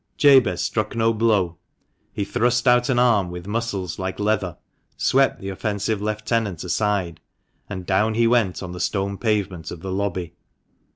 Jabez struck no blow ; he thrust out an arm with muscles like leather, swept the offensive lieutenant aside, and down he went on the stone pavement of the lobby.